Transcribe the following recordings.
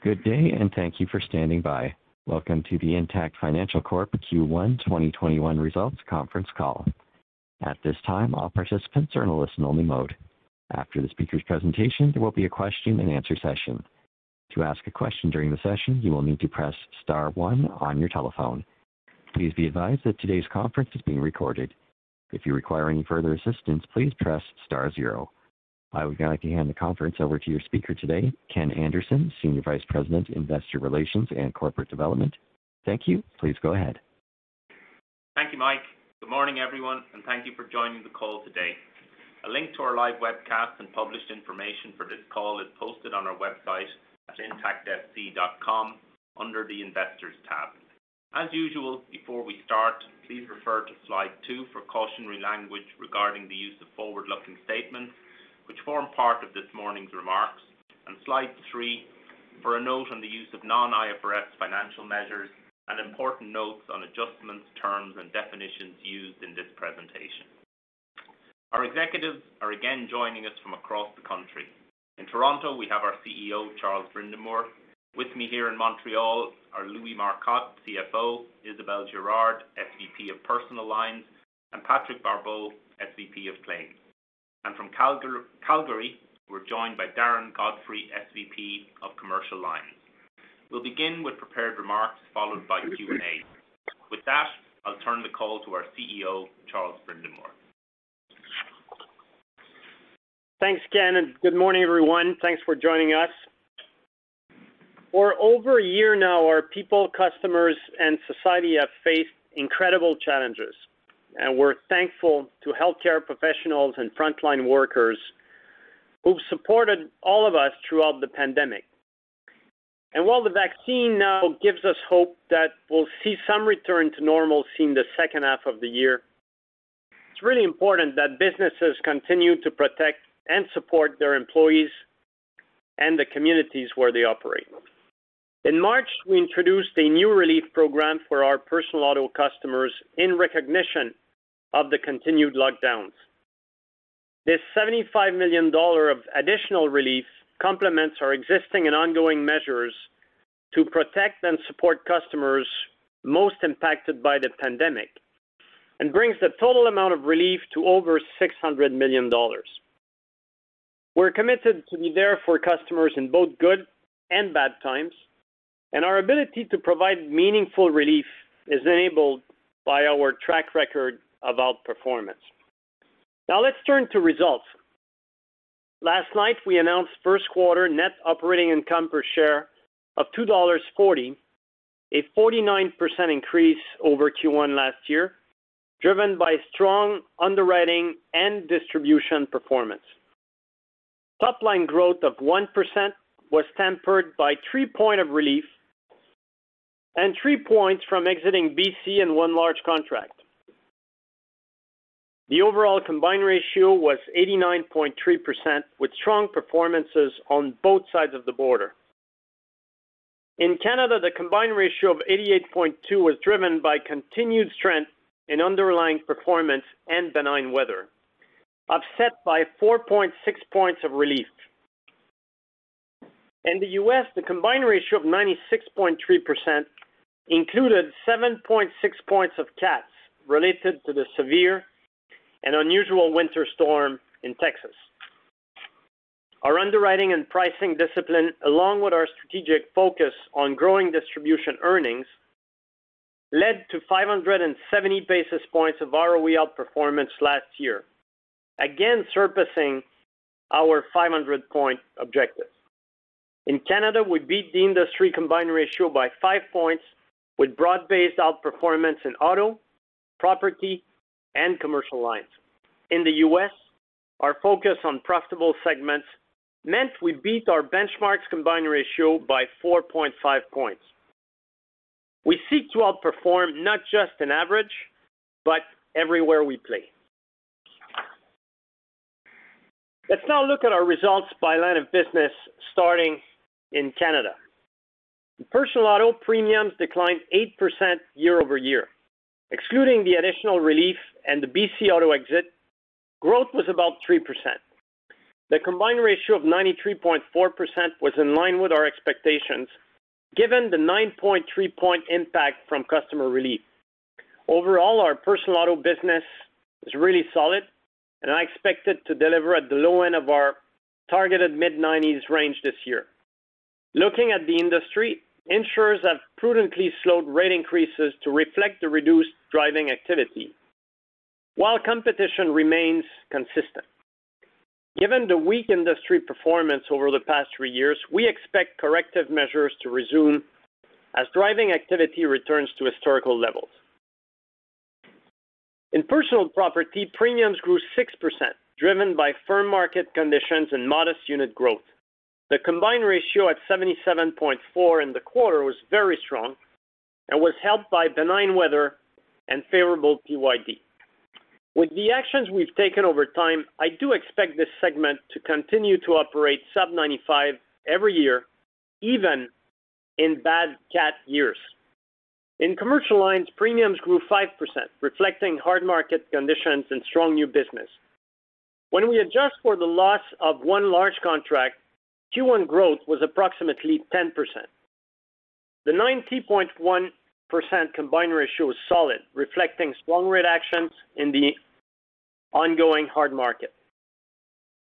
Good day, and thank you for standing by. Welcome to the Intact Financial Corporation Q1 2021 Results Conference Call. At this time, all participants are in a listen only mode. After the speaker's presentation, there will be a question and answer session. To ask a question during the session, you will need to press star one on your telephone. Please be advised that today's conference is being recorded. If you require any further assistance, please press star zero. I would now like to hand the conference over to your speaker today, Ken Anderson, Senior Vice President, Investor Relations and Corporate Development. Thank you. Please go ahead. Thank you, Mike. Good morning, everyone, and thank you for joining the call today. A link to our live webcast and published information for this call is posted on our website at intactfc.com under the Investors tab. As usual, before we start, please refer to slide two for cautionary language regarding the use of forward-looking statements, which form part of this morning's remarks, and slide three for a note on the use of non-IFRS financial measures and important notes on adjustments, terms, and definitions used in this presentation. Our executives are again joining us from across the country. In Toronto, we have our Chief Executive Officer, Charles Brindamour. With me here in Montreal are Louis Marcotte, Chief Financial Officer, Isabelle Girard, Senior Vice President of Personal Lines, and Patrick Barbeau, SVP of Claims. From Calgary, we're joined by Darren Godfrey, SVP of Commercial Lines. We'll begin with prepared remarks, followed by Q&A. With that, I'll turn the call to our CEO, Charles Brindamour. Thanks, Ken. Good morning, everyone. Thanks for joining us. For over a year now, our people, customers, and society have faced incredible challenges. We're thankful to healthcare professionals and frontline workers who've supported all of us throughout the pandemic. While the vaccine now gives us hope that we'll see some return to normal in the second half of the year, it's really important that businesses continue to protect and support their employees and the communities where they operate. In March, we introduced a new relief program for our personal auto customers in recognition of the continued lockdowns. This 75 million dollar of additional relief complements our existing and ongoing measures to protect and support customers most impacted by the pandemic and brings the total amount of relief to over 600 million dollars. We're committed to be there for customers in both good and bad times. Our ability to provide meaningful relief is enabled by our track record of outperformance. Let's turn to results. Last night, we announced first quarter net operating income per share of 2.40 dollars, a 49% increase over Q1 last year, driven by strong underwriting and distribution performance. Top line growth of 1% was tempered by 3 points of relief and 3 points from exiting B.C. and one large contract. The overall combined ratio was 89.3%, with strong performances on both sides of the border. In Canada, the combined ratio of 88.2% was driven by continued strength in underlying performance and benign weather, offset by 4.6 points of relief. In the U.S., the combined ratio of 96.3% included 7.6 points of catastrophes related to the severe and unusual winter storm in Texas. Our underwriting and pricing discipline, along with our strategic focus on growing distribution earnings, led to 570 basis points of return on equity outperformance last year, again surpassing our 500 point objective. In Canada, we beat the industry combined ratio by five points with broad-based outperformance in auto, property, and commercial lines. In the U.S., our focus on profitable segments meant we beat our benchmark's combined ratio by 4.5 points. We seek to outperform not just in average, but everywhere we play. Let's now look at our results by line of business, starting in Canada. In personal auto, premiums declined 8% year-over-year. Excluding the additional relief and the B.C. auto exit, growth was about 3%. The combined ratio of 93.4% was in line with our expectations, given the 9.3 point impact from customer relief. Overall, our personal auto business is really solid, and I expect it to deliver at the low end of our targeted mid-90s range this year. Looking at the industry, insurers have prudently slowed rate increases to reflect the reduced driving activity while competition remains consistent. Given the weak industry performance over the past three years, we expect corrective measures to resume as driving activity returns to historical levels. In personal property, premiums grew 6%, driven by firm market conditions and modest unit growth. The combined ratio at 77.4 in the quarter was very strong and was helped by benign weather and favorable prior year development. With the actions we've taken over time, I do expect this segment to continue to operate sub 95 every year, even in bad CAT years. In commercial lines, premiums grew 5%, reflecting hard market conditions and strong new business. When we adjust for the loss of one large contract, Q1 growth was approximately 10%. The 90.1% combined ratio is solid, reflecting strong rate actions in the ongoing hard market.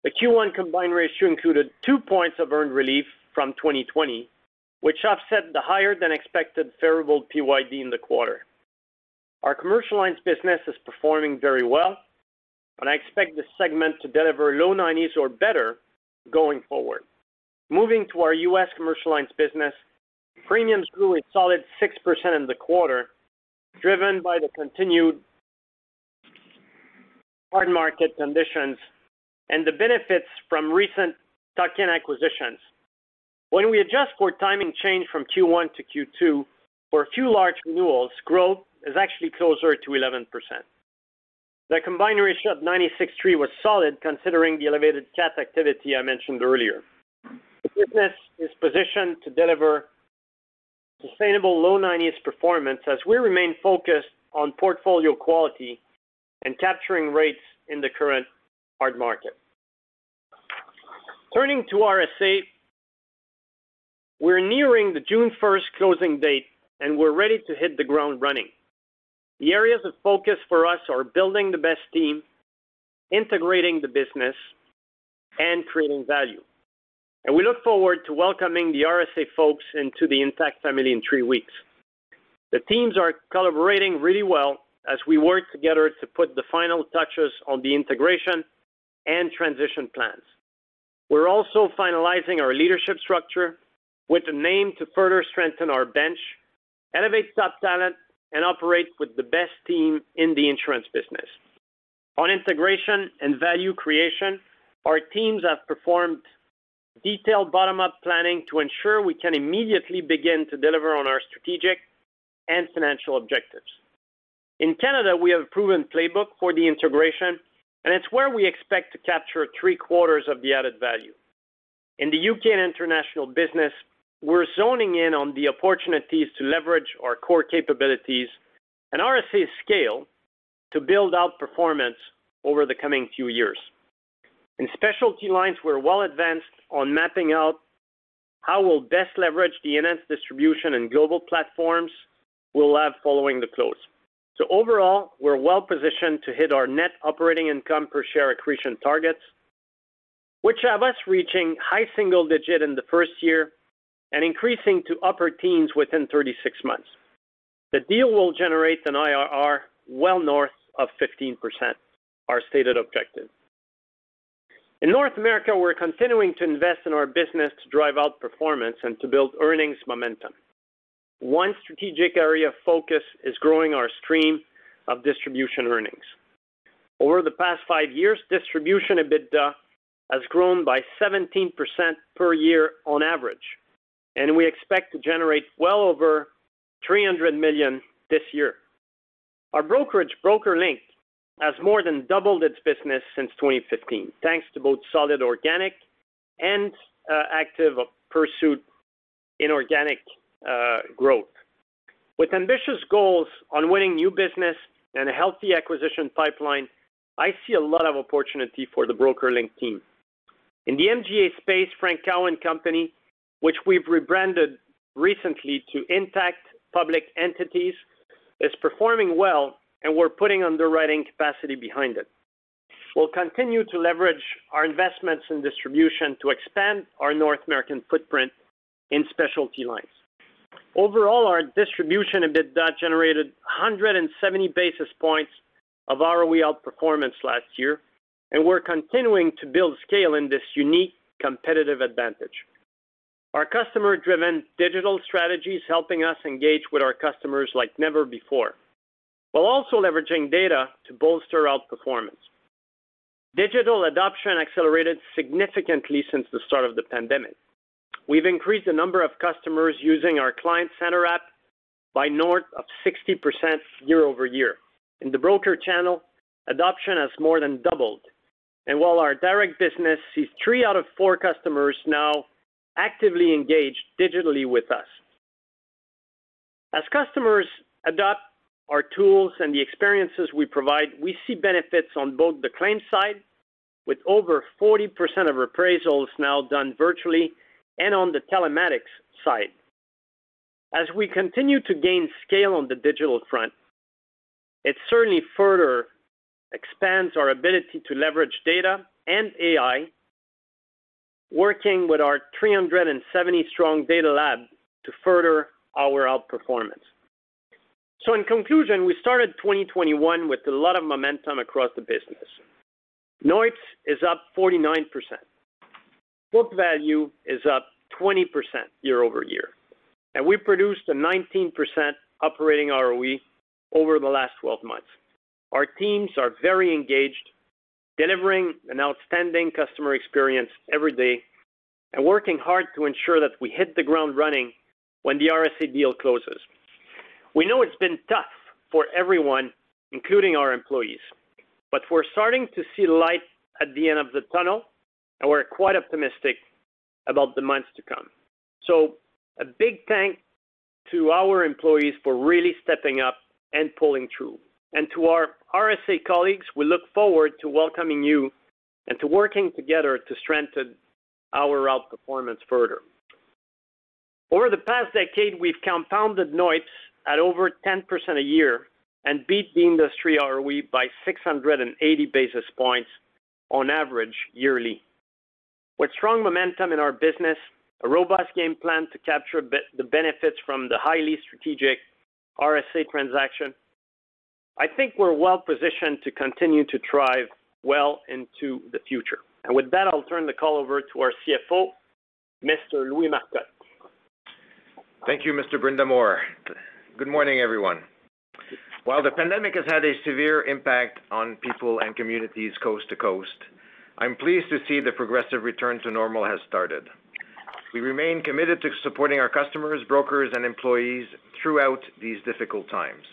The Q1 combined ratio included two points of earned relief from 2020, which offset the higher than expected favorable PYD in the quarter. Our commercial lines business is performing very well, and I expect this segment to deliver low nineties or better going forward. Moving to our U.S. commercial lines business, premiums grew a solid 6% in the quarter, driven by the continued hard market conditions and the benefits from recent tuck-in acquisitions. When we adjust for timing change from Q1 to Q2 for a few large renewals, growth is actually closer to 11%. The combined ratio of 96.3% was solid considering the elevated CAT activity I mentioned earlier. The business is positioned to deliver sustainable low nineties performance as we remain focused on portfolio quality and capturing rates in the current hard market. Turning to RSA. We're nearing the June 1st closing date, and we're ready to hit the ground running. The areas of focus for us are building the best team, integrating the business, and creating value. We look forward to welcoming the RSA folks into the Intact family in three weeks. The teams are collaborating really well as we work together to put the final touches on the integration and transition plans. We're also finalizing our leadership structure with the aim to further strengthen our bench, elevate top talent, and operate with the best team in the insurance business. On integration and value creation, our teams have performed detailed bottom-up planning to ensure we can immediately begin to deliver on our strategic and financial objectives. In Canada, we have a proven playbook for the integration, and it's where we expect to capture three-quarters of the added value. In the U.K. and international business, we're zoning in on the opportunities to leverage our core capabilities and RSA scale to build out performance over the coming few years. In specialty lines, we're well advanced on mapping out how we'll best leverage the enhanced distribution and global platforms we'll have following the close. Overall, we're well positioned to hit our net operating income per share accretion targets, which have us reaching high single digit in the first year and increasing to upper teens within 36 months. The deal will generate an internal rate of return well north of 15%, our stated objective. In North America, we're continuing to invest in our business to drive out performance and to build earnings momentum. One strategic area of focus is growing our stream of distribution earnings. Over the past five years, distribution EBITDA has grown by 17% per year on average, and we expect to generate well over 300 million this year. Our brokerage, BrokerLink, has more than doubled its business since 2015 thanks to both solid organic and active pursuit inorganic growth. With ambitious goals on winning new business and a healthy acquisition pipeline, I see a lot of opportunity for the BrokerLink team. In the MGA space, Frank Cowan Company, which we've rebranded recently to Intact Public Entities, is performing well and we're putting underwriting capacity behind it. We'll continue to leverage our investments in distribution to expand our North American footprint in specialty lines. Overall, our distribution EBITDA generated 170 basis points of ROE outperformance last year, and we're continuing to build scale in this unique competitive advantage. Our customer-driven digital strategy is helping us engage with our customers like never before while also leveraging data to bolster outperformance. Digital adoption accelerated significantly since the start of the pandemic. We've increased the number of customers using our Client Centre app by north of 60% year-over-year. In the broker channel, adoption has more than doubled. While our direct business sees three out of four customers now actively engaged digitally with us. As customers adopt our tools and the experiences we provide, we see benefits on both the claims side, with over 40% of appraisals now done virtually, and on the telematics side. As we continue to gain scale on the digital front, it certainly further expands our ability to leverage data and AI, working with our 370-strong data lab to further our outperformance. In conclusion, we started 2021 with a lot of momentum across the business. NOIPS is up 49%. Book value is up 20% year-over-year. We produced a 19% operating ROE over the last 12 months. Our teams are very engaged, delivering an outstanding customer experience every day and working hard to ensure that we hit the ground running when the RSA deal closes. We know it's been tough for everyone, including our employees, but we're starting to see light at the end of the tunnel, and we're quite optimistic about the months to come. A big thanks to our employees for really stepping up and pulling through. To our RSA colleagues, we look forward to welcoming you and to working together to strengthen our outperformance further. Over the past decade, we've compounded NOIPS at over 10% a year and beat the industry ROE by 680 basis points on average yearly. With strong momentum in our business, a robust game plan to capture the benefits from the highly strategic RSA transaction, I think we're well positioned to continue to thrive well into the future. With that, I'll turn the call over to our CFO, Mr. Louis Marcotte. Thank you, Mr. Brindamour. Good morning, everyone. While the pandemic has had a severe impact on people and communities coast to coast, I'm pleased to see the progressive return to normal has started. We remain committed to supporting our customers, brokers, and employees throughout these difficult times.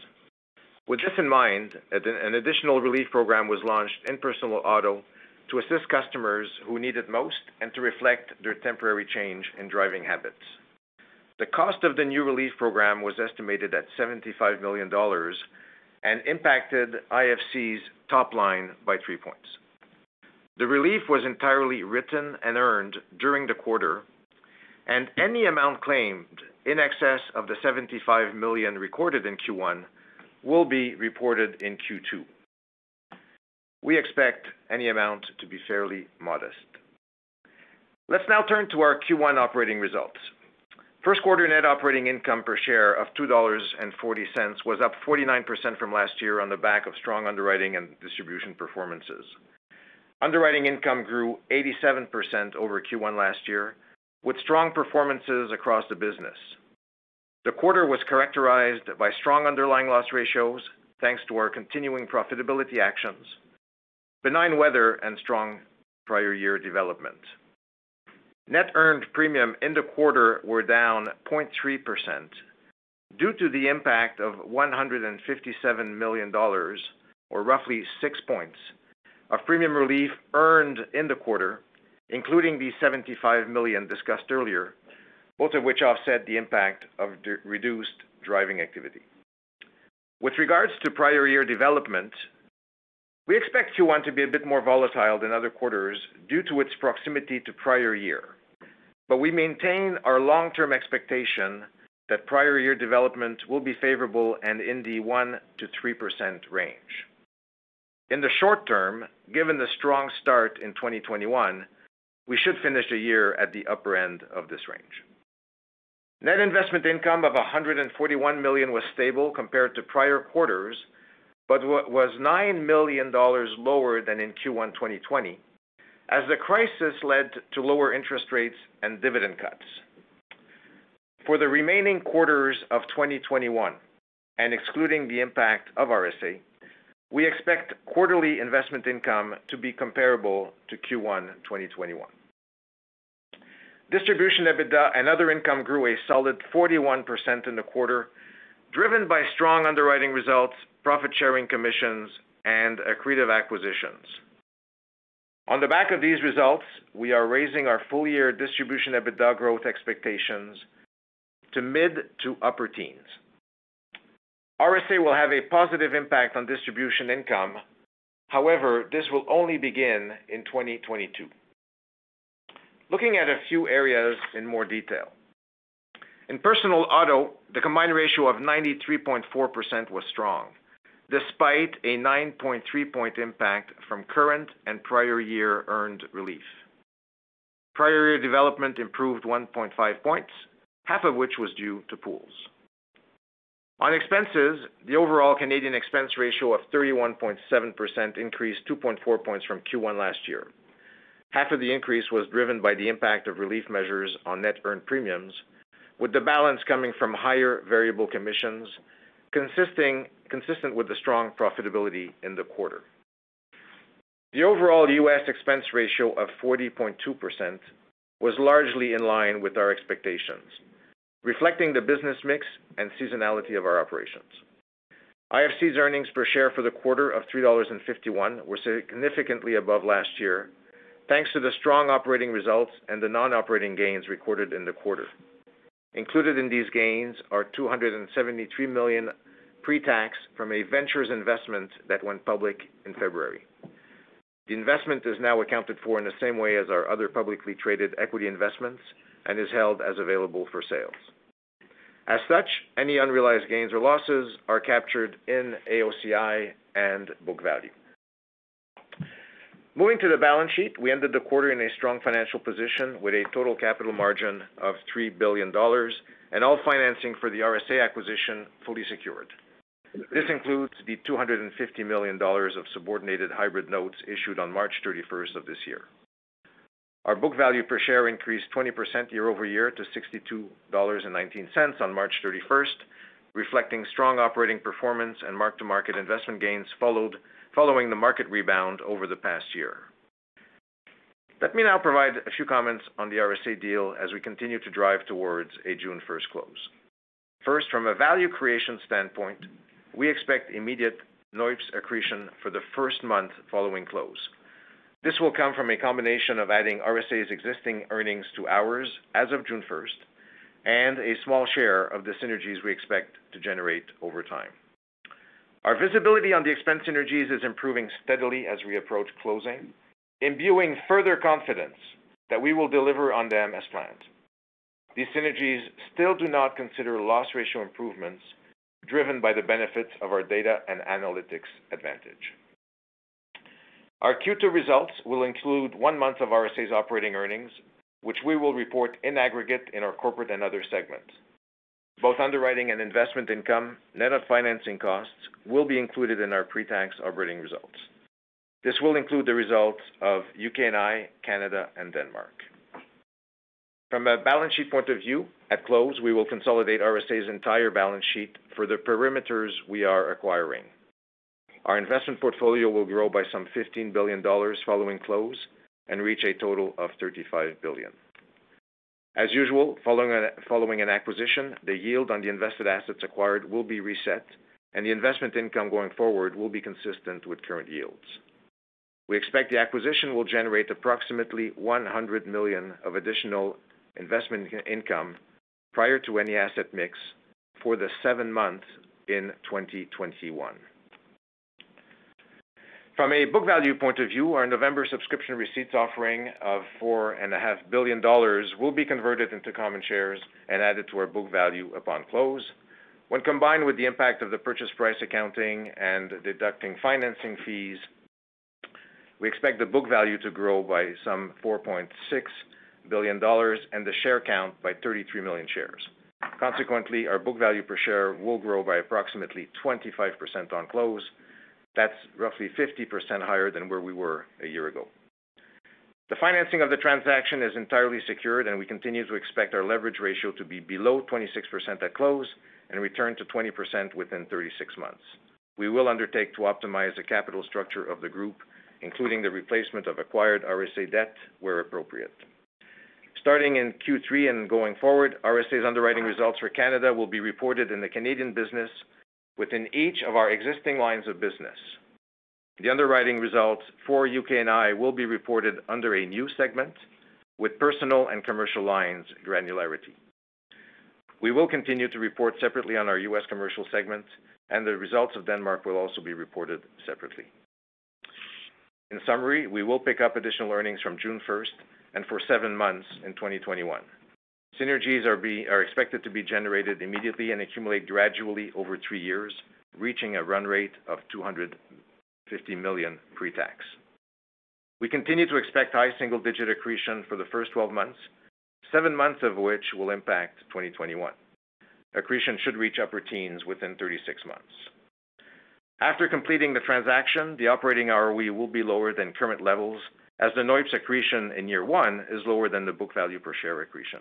With this in mind, an additional relief program was launched in personal auto to assist customers who need it most and to reflect their temporary change in driving habits. The cost of the new relief program was estimated at 75 million dollars and impacted IFC's top line by three points. The relief was entirely written and earned during the quarter, and any amount claimed in excess of the 75 million recorded in Q1 will be reported in Q2. We expect any amount to be fairly modest. Let's now turn to our Q1 operating results. First quarter net operating income per share of 2.40 dollars was up 49% from last year on the back of strong underwriting and distribution performances. Underwriting income grew 87% over Q1 last year, with strong performances across the business. The quarter was characterized by strong underlying loss ratios, thanks to our continuing profitability actions, benign weather, and strong prior year development. Net earned premium in the quarter were down 0.3% due to the impact of 157 million dollars, or roughly six points of premium relief earned in the quarter, including the 75 million discussed earlier, both of which offset the impact of reduced driving activity. With regards to prior year development, we expect Q1 to be a bit more volatile than other quarters due to its proximity to prior year. We maintain our long-term expectation that prior year development will be favorable and in the 1%-3% range. In the short term, given the strong start in 2021, we should finish the year at the upper end of this range. Net investment income of 141 million was stable compared to prior quarters, but was 9 million dollars lower than in Q1 2020, as the crisis led to lower interest rates and dividend cuts. For the remaining quarters of 2021, and excluding the impact of RSA, we expect quarterly investment income to be comparable to Q1 2021. Distribution EBITDA and other income grew a solid 41% in the quarter, driven by strong underwriting results, profit-sharing commissions, and accretive acquisitions. On the back of these results, we are raising our full-year distribution EBITDA growth expectations to mid to upper teens. RSA will have a positive impact on distribution income. However, this will only begin in 2022. Looking at a few areas in more detail. In personal auto, the combined ratio of 93.4% was strong, despite a 9.3 point impact from current and prior year earned relief. Prior year development improved 1.5 points, half of which was due to pools. On expenses, the overall Canadian expense ratio of 31.7% increased 2.4 points from Q1 last year. Half of the increase was driven by the impact of relief measures on net earned premiums, with the balance coming from higher variable commissions, consistent with the strong profitability in the quarter. The overall U.S. expense ratio of 40.2% was largely in line with our expectations, reflecting the business mix and seasonality of our operations. IFC's earnings per share for the quarter of 3.51 dollars were significantly above last year, thanks to the strong operating results and the non-operating gains recorded in the quarter. Included in these gains are 273 million pre-tax from a ventures investment that went public in February. The investment is now accounted for in the same way as our other publicly traded equity investments and is held as available for sale. As such, any unrealized gains or losses are captured in AOCI and book value. Moving to the balance sheet, we ended the quarter in a strong financial position with a total capital margin of 3 billion dollars and all financing for the RSA acquisition fully secured. This includes the 250 million dollars of subordinated hybrid notes issued on March 31st of this year. Our book value per share increased 20% year-over-year to 62.19 dollars on March 31st, reflecting strong operating performance and mark-to-market investment gains following the market rebound over the past year. Let me now provide a few comments on the RSA deal as we continue to drive towards a June 1st close. First, from a value creation standpoint, we expect immediate NOIPS accretion for the first month following close. This will come from a combination of adding RSA's existing earnings to ours as of June 1st, and a small share of the synergies we expect to generate over time. Our visibility on the expense synergies is improving steadily as we approach closing, imbuing further confidence that we will deliver on them as planned. These synergies still do not consider loss ratio improvements driven by the benefits of our data and analytics advantage. Our Q2 results will include one month of RSA's operating earnings, which we will report in aggregate in our corporate and other segments. Both underwriting and investment income, net of financing costs, will be included in our pre-tax operating results. This will include the results of U.K.&I., Canada, and Denmark. From a balance sheet point of view, at close, we will consolidate RSA's entire balance sheet for the perimeters we are acquiring. Our investment portfolio will grow by some 15 billion dollars following close and reach a total of 35 billion. As usual, following an acquisition, the yield on the invested assets acquired will be reset, and the investment income going forward will be consistent with current yields. We expect the acquisition will generate approximately 100 million of additional investment income prior to any asset mix for the seven months in 2021. From a book value point of view, our November subscription receipts offering of 4.5 billion dollars will be converted into common shares and added to our book value upon close. When combined with the impact of the purchase price accounting and deducting financing fees, we expect the book value to grow by some 4.6 billion dollars and the share count by 33 million shares. Consequently, our book value per share will grow by approximately 25% on close. That's roughly 50% higher than where we were a year ago. The financing of the transaction is entirely secured, and we continue to expect our leverage ratio to be below 26% at close and return to 20% within 36 months. We will undertake to optimize the capital structure of the group, including the replacement of acquired RSA debt where appropriate. Starting in Q3 and going forward, RSA's underwriting results for Canada will be reported in the Canadian business within each of our existing lines of business. The underwriting results for UK&I will be reported under a new segment with personal and commercial lines granularity. We will continue to report separately on our U.S. commercial segment, and the results of Denmark will also be reported separately. In summary, we will pick up additional earnings from June 1st and for seven months in 2021. Synergies are expected to be generated immediately and accumulate gradually over three years, reaching a run rate of 250 million pre-tax. We continue to expect high single-digit accretion for the first 12 months, seven months of which will impact 2021. Accretion should reach upper teens within 36 months. After completing the transaction, the operating ROE will be lower than current levels as the NOIPS accretion in year one is lower than the book value per share accretion.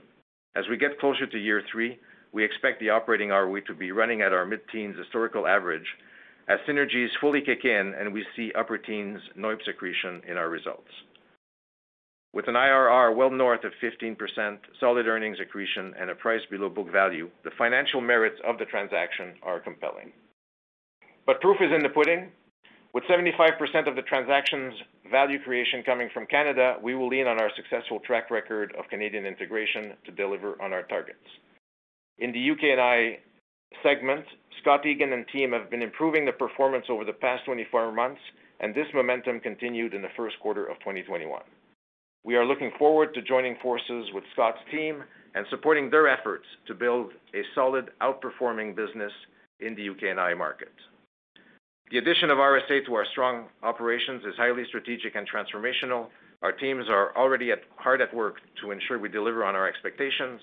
As we get closer to year three, we expect the operating ROE to be running at our mid-10s historical average as synergies fully kick in and we see upper teens NOIPS accretion in our results. With an IRR well north of 15%, solid earnings accretion, and a price below book value, the financial merits of the transaction are compelling. Proof is in the pudding. With 75% of the transaction's value creation coming from Canada, we will lean on our successful track record of Canadian integration to deliver on our targets. In the U.K.&I segment, Scott Egan and team have been improving the performance over the past 24 months, and this momentum continued in the first quarter of 2021. We are looking forward to joining forces with Scott's team and supporting their efforts to build a solid outperforming business in the U.K.&I market. The addition of RSA to our strong operations is highly strategic and transformational. Our teams are already hard at work to ensure we deliver on our expectations,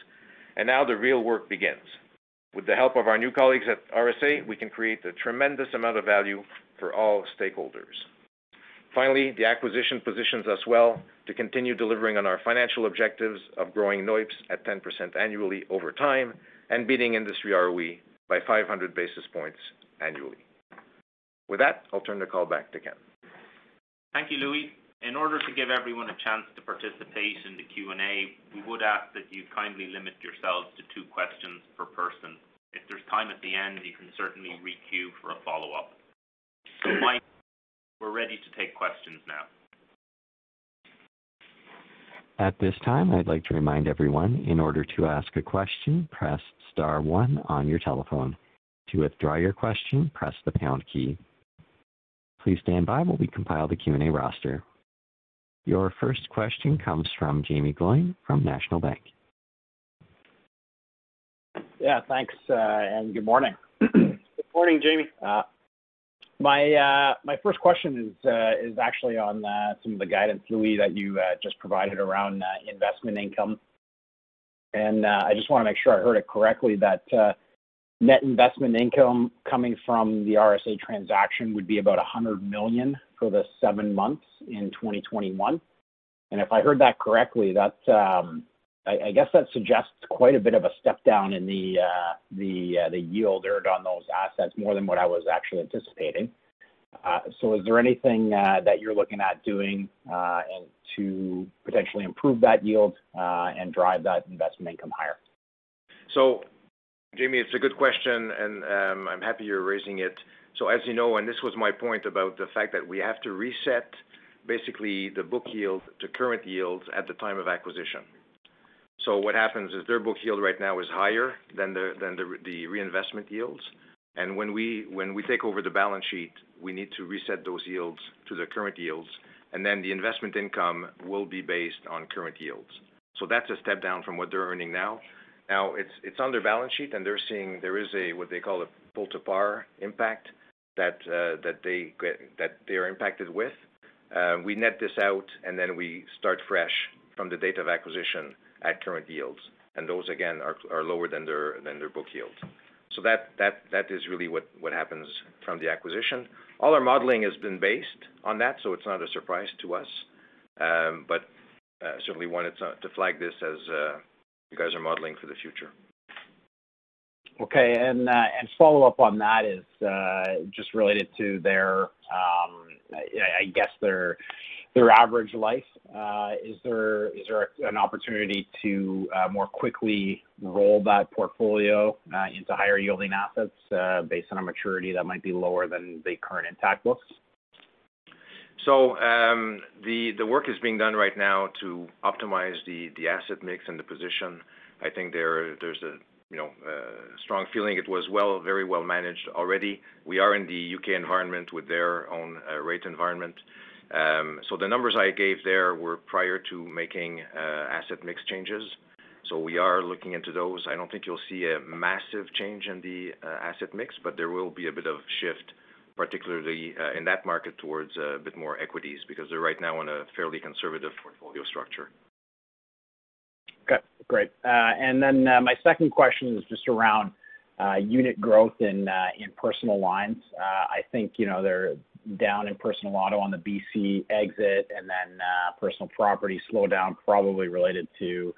and now the real work begins. With the help of our new colleagues at RSA, we can create a tremendous amount of value for all stakeholders. Finally, the acquisition positions us well to continue delivering on our financial objectives of growing NOIPS at 10% annually over time and beating industry ROE by 500 basis points annually. With that, I'll turn the call back to Ken Anderson Thank you, Louis. In order to give everyone a chance to participate in the Q&A, we would ask that you kindly limit yourselves to two questions per person. If there's time at the end, you can certainly re-queue for a follow-up. Mike, we're ready to take questions now. At this time, I'd like to remind everyone, in order to ask a question, press star one on your telephone. To withdraw your question, press the pound key. Please stand by while we compile the Q&A roster. Your first question comes from Jaeme Gloyn from National Bank. Yeah, thanks, good morning. Good morning, Jaeme. My first question is actually on some of the guidance, Louis, that you just provided around investment income. I just want to make sure I heard it correctly that net investment income coming from the RSA transaction would be about 100 million for the seven months in 2021. If I heard that correctly, I guess that suggests quite a bit of a step down in the yield earned on those assets, more than what I was actually anticipating. Is there anything that you're looking at doing to potentially improve that yield and drive that investment income higher? Jaeme, it's a good question, and I'm happy you're raising it. As you know, and this was my point about the fact that we have to reset basically the book yield to current yields at the time of acquisition. What happens is their book yield right now is higher than the reinvestment yields, and when we take over the balance sheet, we need to reset those yields to the current yields, and then the investment income will be based on current yields. That's a step down from what they're earning now. Now, it's on their balance sheet, and they're seeing there is a what they call a pull-to-par impact that they are impacted with. We net this out, and then we start fresh from the date of acquisition at current yields. Those, again, are lower than their book yield. That is really what happens from the acquisition. All our modeling has been based on that, so it is not a surprise to us. Certainly wanted to flag this as you guys are modeling for the future. Okay, follow-up on that is just related to their average life. Is there an opportunity to more quickly roll that portfolio into higher-yielding assets based on a maturity that might be lower than the current Intact books? The work is being done right now to optimize the asset mix and the position. I think there's a strong feeling it was very well managed already. We are in the U.K. environment with their own rate environment. The numbers I gave there were prior to making asset mix changes. We are looking into those. I don't think you'll see a massive change in the asset mix, but there will be a bit of shift, particularly in that market, towards a bit more equities, because they're right now in a fairly conservative portfolio structure. Okay, great. My second question is just around unit growth in personal lines. I think they're down in personal auto on the B.C. exit and then personal property slowdown probably related to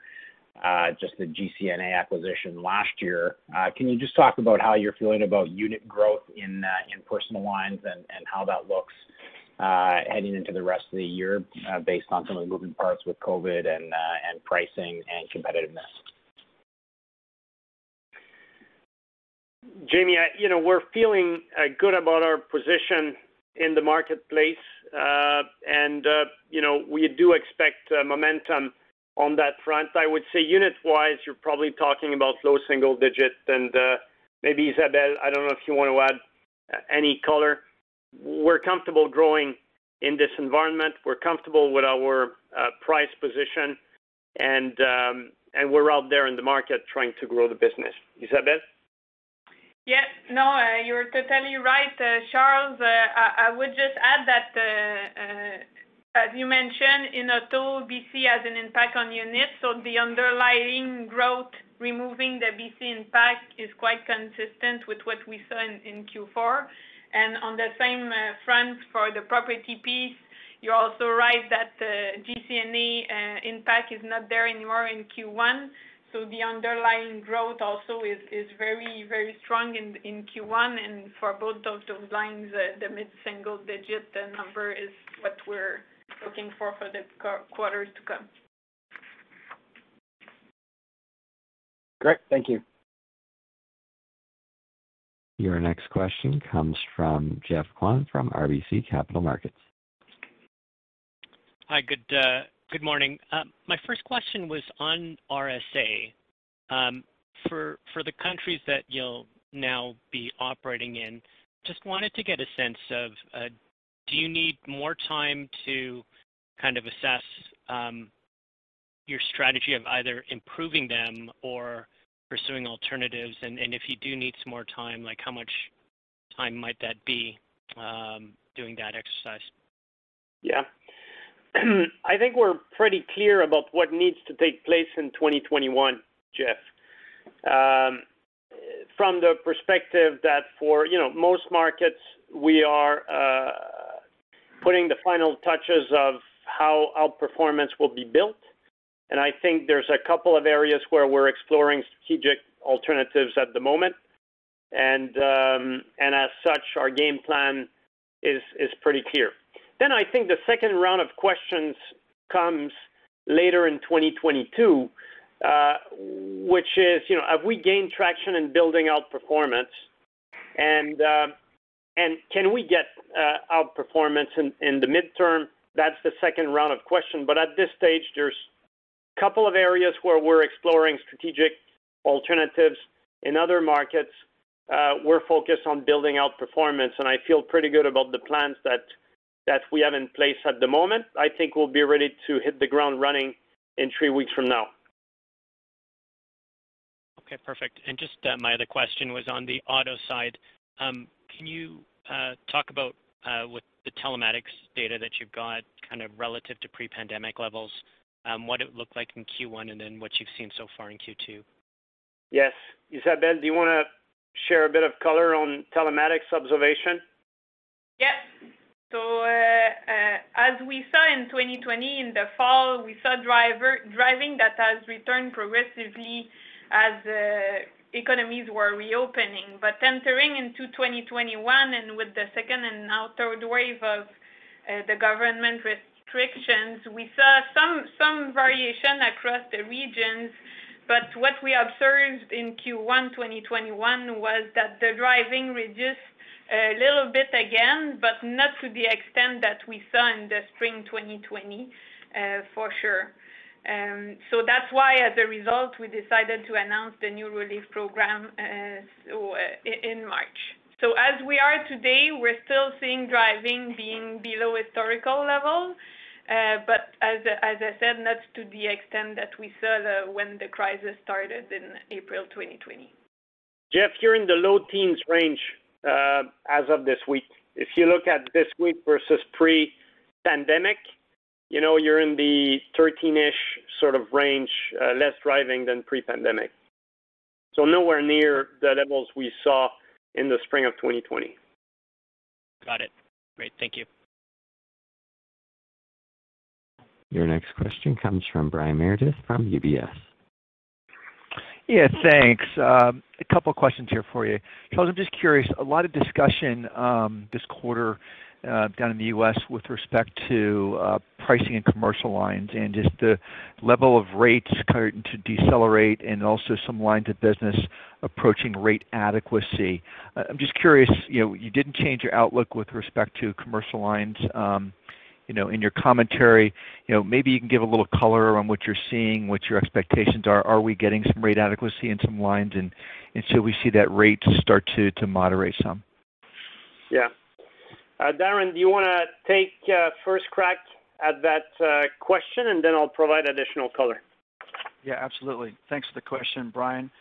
just the Guarantee Company of North America acquisition last year. Can you just talk about how you're feeling about unit growth in personal lines and how that looks heading into the rest of the year based on some of the moving parts with COVID and pricing and competitiveness? Jaeme, we're feeling good about our position in the marketplace. We do expect momentum on that front. I would say unit-wise, you're probably talking about low single digits and maybe Isabelle, I don't know if you want to add any color. We're comfortable growing in this environment. We're comfortable with our price position. We're out there in the market trying to grow the business. Isabelle? Yeah. No, you're totally right, Charles. I would just add that as you mentioned, in auto, B.C. has an impact on units, so the underlying growth, removing the B.C. impact is quite consistent with what we saw in Q4. On the same front for the property piece, you're also right that the GCNA impact is not there anymore in Q1. The underlying growth also is very strong in Q1. For both of those lines, the mid-single digit number is what we're looking for for the quarters to come. Great. Thank you. Your next question comes from Geoff Kwan from RBC Capital Markets. Hi, good morning. My first question was on RSA. For the countries that you'll now be operating in, just wanted to get a sense of do you need more time to kind of assess your strategy of either improving them or pursuing alternatives? If you do need some more time, how much time might that be doing that exercise? I think we're pretty clear about what needs to take place in 2021, Geoff. From the perspective that for most markets, we are putting the final touches of how outperformance will be built. I think there's a couple of areas where we're exploring strategic alternatives at the moment. As such, our game plan is pretty clear. I think the second round of questions comes later in 2022, which is have we gained traction in building out performance, and can we get outperformance in the midterm? That's the second round of question. At this stage, there's a couple of areas where we're exploring strategic alternatives. In other markets, we're focused on building out performance, and I feel pretty good about the plans that we have in place at the moment. I think we'll be ready to hit the ground running in three weeks from now. Okay, perfect. Just my other question was on the auto side. Can you talk about with the telematics data that you've got kind of relative to pre-pandemic levels, what it looked like in Q1 and then what you've seen so far in Q2? Yes. Isabelle Girard, do you want to share a bit of color on telematics observation? Yes. As we saw in 2020, in the fall, we saw driving that has returned progressively as economies were reopening. Entering into 2021, and with the second and now third wave of the government restrictions, we saw some variation across the regions. What we observed in Q1 2021 was that the driving reduced a little bit again, but not to the extent that we saw in the spring 2020, for sure. That's why, as a result, we decided to announce the new relief program in March. As we are today, we're still seeing driving being below historical levels. As I said, not to the extent that we saw when the crisis started in April 2020. Geoff, you're in the low teens range as of this week. If you look at this week versus pre-pandemic, you're in the 13-ish sort of range, less driving than pre-pandemic. Nowhere near the levels we saw in the spring of 2020. Got it. Great. Thank you. Your next question comes from Brian Meredith from UBS. Yeah, thanks. A couple of questions here for you. Charles, I'm just curious, a lot of discussion this quarter down in the U.S. with respect to pricing in commercial lines and just the level of rates starting to decelerate and also some lines of business approaching rate adequacy. I'm just curious, you didn't change your outlook with respect to commercial lines in your commentary. Maybe you can give a little color around what you're seeing, what your expectations are? Are we getting some rate adequacy in some lines and so we see that rate start to moderate some? Yeah. Darren Godfrey, do you want to take first crack at that question, and then I'll provide additional color? Yeah, absolutely. Thanks for the question, Brian.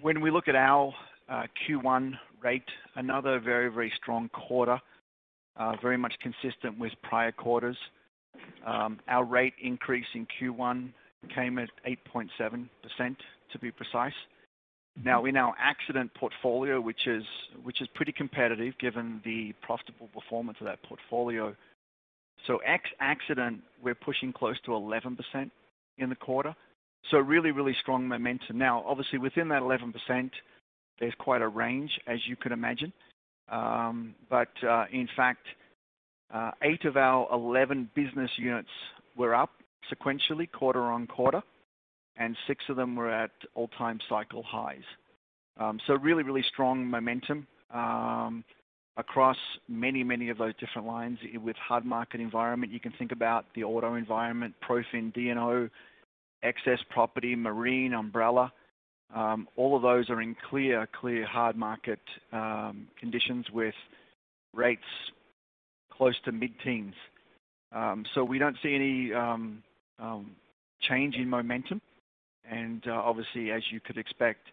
When we look at our Q1 rate, another very, very strong quarter very much consistent with prior quarters. Our rate increase in Q1 came at 8.7%, to be precise. In our accident portfolio, which is pretty competitive given the profitable performance of that portfolio. Ex-accident, we're pushing close to 11% in the quarter, really, really strong momentum. Obviously within that 11%, there's quite a range, as you can imagine. In fact, eight of our 11 business units were up sequentially quarter-on-quarter, and six of them were at all-time cycle highs. Really, really strong momentum across many, many of those different lines with hard market environment. You can think about the auto environment, ProFin, D&O, excess property, marine, umbrella. All of those are in clear hard market conditions with rates close to mid-teens. We don't see any change in momentum, and obviously, as you could expect,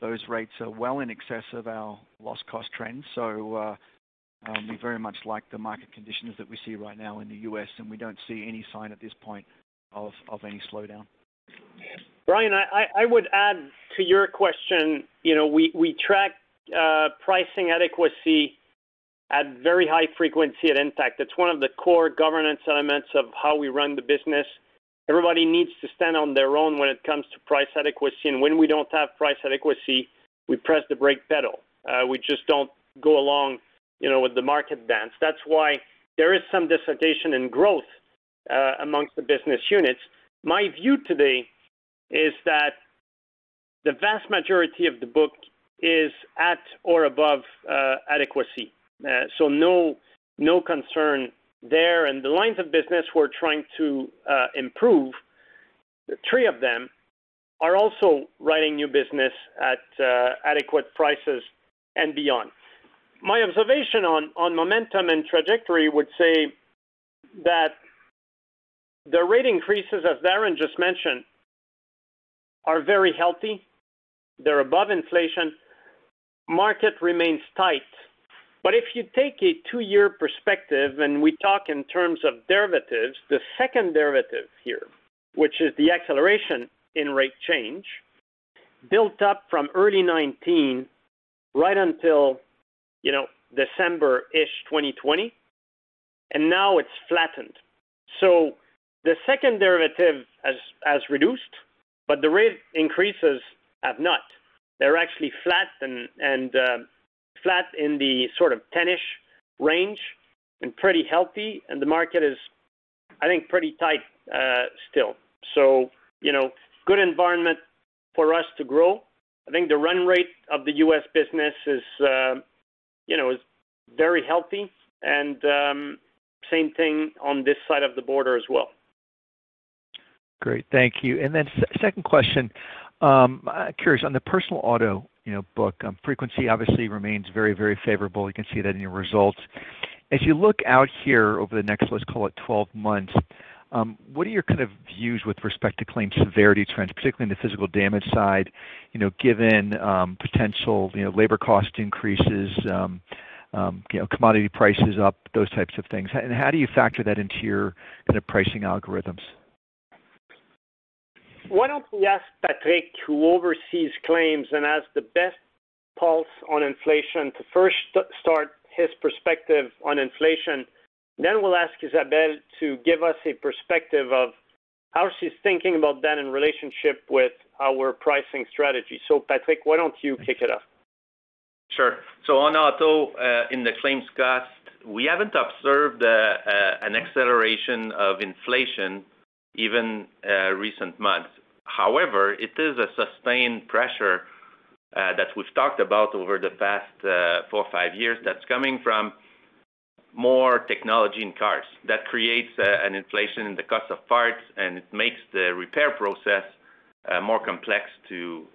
those rates are well in excess of our loss cost trends. We very much like the market conditions that we see right now in the U.S., and we don't see any sign at this point of any slowdown. Brian, I would add to your question, we track pricing adequacy at very high frequency at Intact. It's one of the core governance elements of how we run the business. Everybody needs to stand on their own when it comes to price adequacy, and when we don't have price adequacy, we press the brake pedal. We just don't go along with the market dance. That's why there is some discretion in growth amongst the business units. My view today is that the vast majority of the book is at or above adequacy. No concern there. The lines of business we're trying to improve, three of them are also writing new business at adequate prices and beyond. My observation on momentum and trajectory would say that the rate increases, as Darren just mentioned, are very healthy. They're above inflation. Market remains tight. If you take a two-year perspective, and we talk in terms of derivatives, the second derivative here, which is the acceleration in rate change, built up from early 2019 right until December-ish 2020, and now it's flattened. The second derivative has reduced, but the rate increases have not. They're actually flat and flat in the sort of 10-ish range and pretty healthy, and the market is, I think, pretty tight still. Good environment for us to grow. I think the run rate of the U.S. business is very healthy and same thing on this side of the border as well. Great. Thank you. Second question, curious on the personal auto book, frequency obviously remains very, very favorable. You can see that in your results. As you look out here over the next, let's call it 12 months, what are your kind of views with respect to claim severity trends, particularly in the physical damage side given potential labor cost increases, commodity prices up, those types of things? How do you factor that into your kind of pricing algorithms? Why don't we ask Patrick, who oversees claims and has the best pulse on inflation, to first start his perspective on inflation? We'll ask Isabelle to give us a perspective of how she's thinking about that in relationship with our pricing strategy. Patrick Barbeau, why don't you kick it off? Sure. On auto, in the claims cost, we haven't observed an acceleration of inflation even recent months. However, it is a sustained pressure that we've talked about over the past four or five years that's coming from more technology in cars. That creates an inflation in the cost of parts, and it makes the repair process more complex to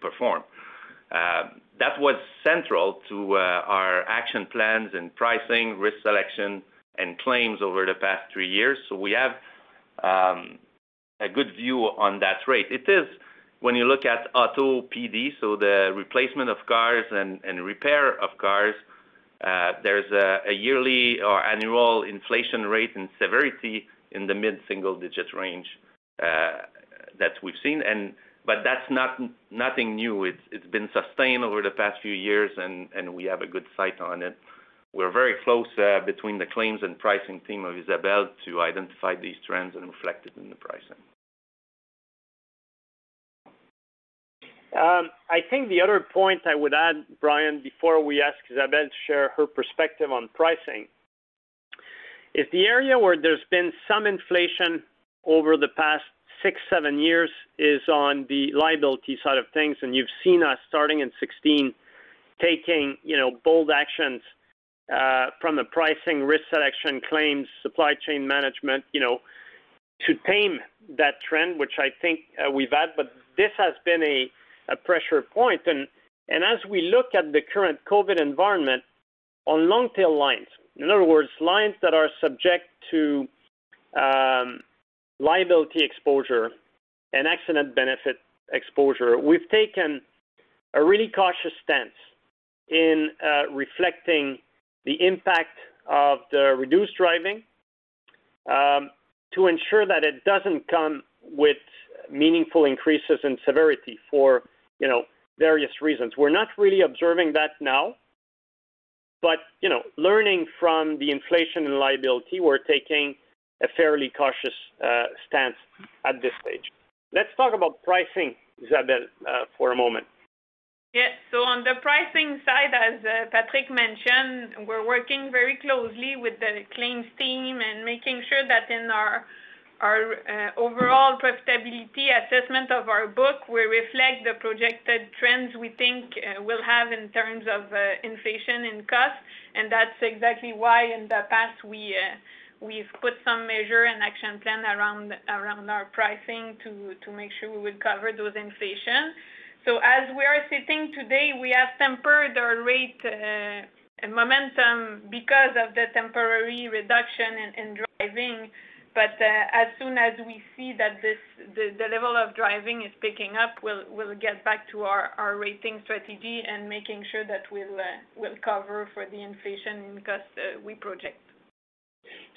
perform. That was central to our action plans in pricing, risk selection, and claims over the past three years, so we have a good view on that rate. It is, when you look at auto property damage, so the replacement of cars and repair of cars, there's a yearly or annual inflation rate and severity in the mid-single-digit range that we've seen. That's nothing new. It's been sustained over the past few years, and we have a good sight on it. We're very close, between the claims and pricing team of Isabelle, to identify these trends and reflect it in the pricing. I think the other point I would add, Brian, before we ask Isabelle to share her perspective on pricing, is the area where there's been some inflation over the past six, seven years is on the liability side of things. You've seen us starting in 2016, taking bold actions from the pricing, risk selection, claims, supply chain management, to tame that trend, which I think we've had. This has been a pressure point. As we look at the current COVID environment, on long-tail lines, in other words, lines that are subject to liability exposure and accident benefit exposure, we've taken a really cautious stance in reflecting the impact of the reduced driving to ensure that it doesn't come with meaningful increases in severity for various reasons. We're not really observing that now, but learning from the inflation and liability, we're taking a fairly cautious stance at this stage. Let's talk about pricing, Isabelle, for a moment. Yes. On the pricing side, as Patrick mentioned, we're working very closely with the claims team and making sure that in our overall profitability assessment of our book, we reflect the projected trends we think we'll have in terms of inflation and cost. That's exactly why in the past we've put some measure and action plan around our pricing to make sure we will cover those inflation. As we are sitting today, we have tempered our rate momentum because of the temporary reduction in driving. As soon as we see that the level of driving is picking up, we'll get back to our rating strategy and making sure that we'll cover for the inflation in cost we project.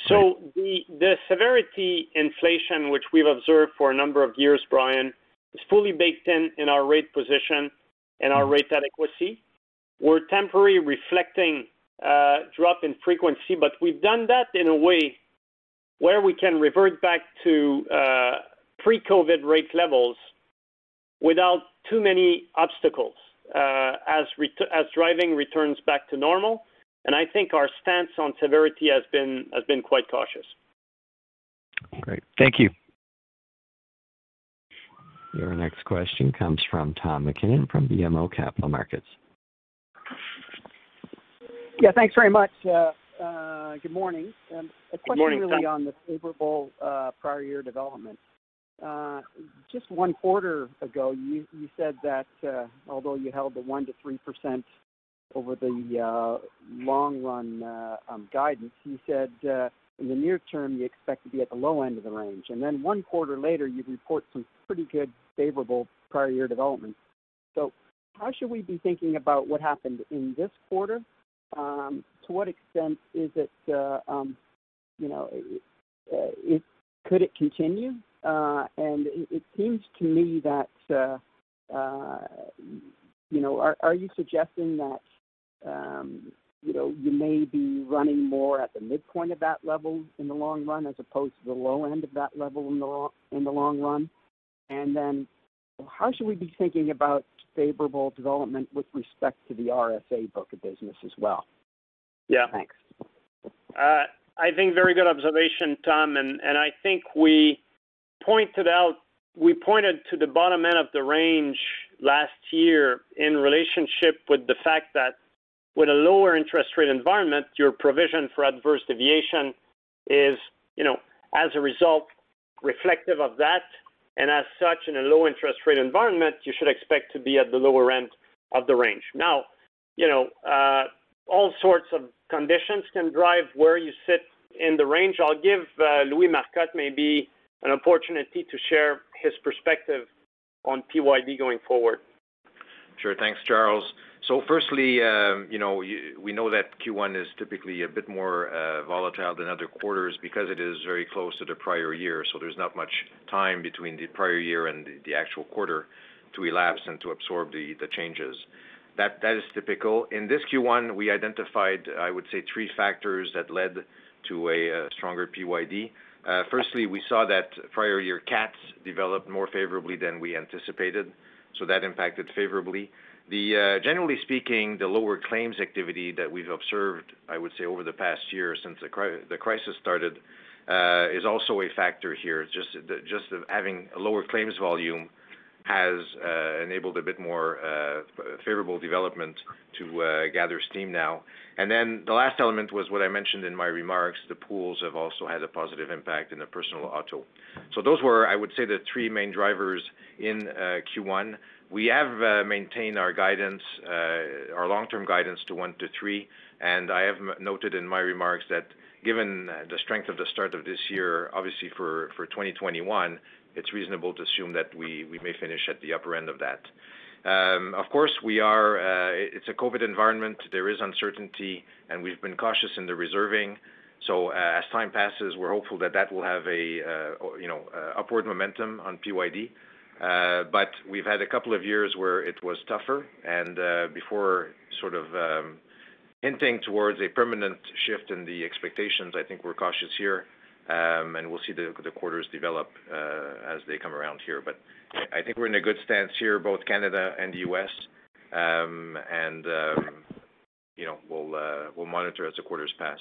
The severity inflation, which we've observed for a number of years, Brian, is fully baked in in our rate position and our rate adequacy. We're temporarily reflecting a drop in frequency, but we've done that in a way where we can revert back to pre-COVID rate levels without too many obstacles as driving returns back to normal. I think our stance on severity has been quite cautious. Great. Thank you. Your next question comes from Tom MacKinnon from BMO Capital Markets. Yeah, thanks very much. Good morning. Good morning, Tom. A question really on the favorable prior year development. Just one quarter ago, you said that although you held the 1%-3% over the long-run guidance, you said in the near term, you expect to be at the low end of the range. One quarter later, you report some pretty good favorable prior year development. How should we be thinking about what happened in this quarter? To what extent could it continue? It seems to me that, are you suggesting that you may be running more at the midpoint of that level in the long run, as opposed to the low end of that level in the long run? How should we be thinking about favorable development with respect to the RSA book of business as well? Yeah. Thanks. I think very good observation, Tom, I think we pointed to the bottom end of the range last year in relationship with the fact that with a lower interest rate environment, your provision for adverse deviation is as a result reflective of that. As such, in a low interest rate environment, you should expect to be at the lower end of the range. All sorts of conditions can drive where you sit in the range. I'll give Louis Marcotte maybe an opportunity to share his perspective on PYD going forward. Sure. Thanks, Charles. Firstly, we know that Q1 is typically a bit more volatile than other quarters because it is very close to the prior year, there's not much time between the prior year and the actual quarter to elapse and to absorb the changes. That is typical. In this Q1, we identified, I would say, three factors that led to a stronger PYD. Firstly, we saw that prior year CATs developed more favorably than we anticipated, that impacted favorably. Generally speaking, the lower claims activity that we've observed, I would say, over the past year since the crisis started is also a factor here. Just having a lower claims volume has enabled a bit more favorable development to gather steam now. The last element was what I mentioned in my remarks, the pools have also had a positive impact in the personal auto. Those were, I would say, the three main drivers in Q1. We have maintained our long-term guidance to one to three. I have noted in my remarks that given the strength of the start of this year, obviously for 2021, it's reasonable to assume that we may finish at the upper end of that. Of course, it's a COVID environment. There is uncertainty, and we've been cautious in the reserving. As time passes, we're hopeful that that will have upward momentum on PYD. We've had a couple of years where it was tougher and before sort of hinting towards a permanent shift in the expectations, I think we're cautious here, and we'll see the quarters develop as they come around here. I think we're in a good stance here, both Canada and the U.S., and we'll monitor as the quarters pass.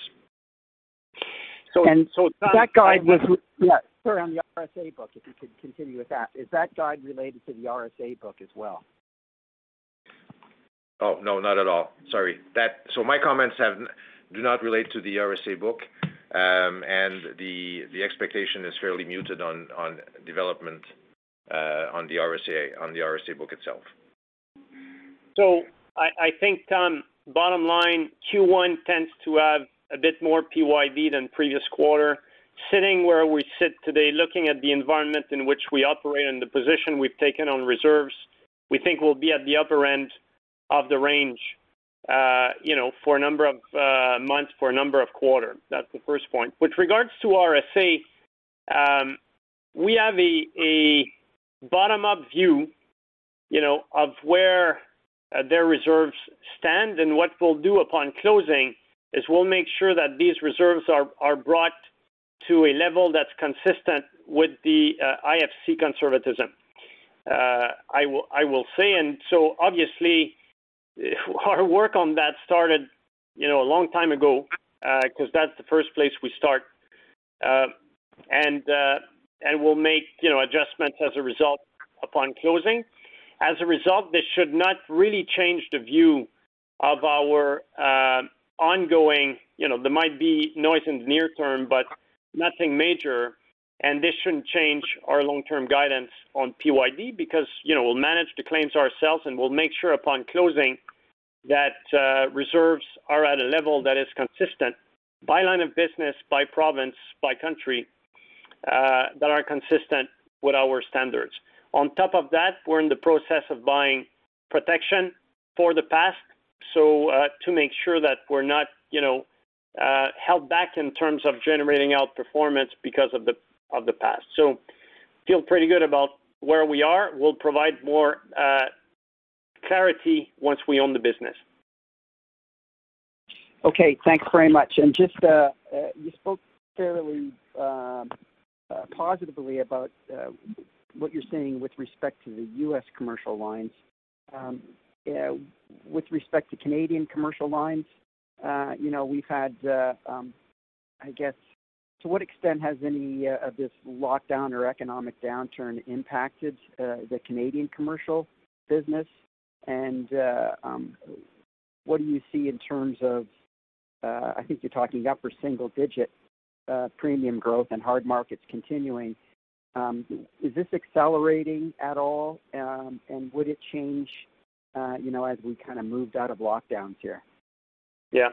That guide was. Is that guide related to the RSA book as well? Oh, no, not at all. Sorry. My comments do not relate to the RSA book. The expectation is fairly muted on development on the RSA book itself. I think, Tom, bottom line, Q1 tends to have a bit more PYD than previous quarter. Sitting where we sit today, looking at the environment in which we operate and the position we've taken on reserves, we think we'll be at the upper end of the range for a number of months, for a number of quarter. That's the first point. With regards to RSA, we have a bottom-up view of where their reserves stand, and what we'll do upon closing is we'll make sure that these reserves are brought to a level that's consistent with the IFC conservatism. I will say, obviously, our work on that started a long time ago, because that's the first place we start. We'll make adjustments as a result upon closing. As a result, this should not really change the view of our ongoing. There might be noise in the near term, but nothing major, and this shouldn't change our long-term guidance on PYD because we'll manage the claims ourselves, and we'll make sure upon closing that reserves are at a level that is consistent by line of business, by province, by country, that are consistent with our standards. On top of that, we're in the process of buying protection for the past, to make sure that we're not held back in terms of generating out performance because of the past. Feel pretty good about where we are. We'll provide more clarity once we own the business. Okay, thanks very much. You spoke fairly positively about what you're seeing with respect to the U.S. commercial lines. With respect to Canadian commercial lines, to what extent has any of this lockdown or economic downturn impacted the Canadian commercial business? What do you see in terms of, I think you're talking upper single digit premium growth and hard markets continuing. Is this accelerating at all? Would it change as we kind of moved out of lockdowns here? Yeah.